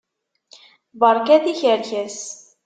Berkat tikerkas.